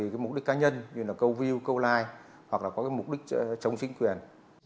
có mục đích cá nhân như câu view câu like hoặc là có mục đích chống chính quyền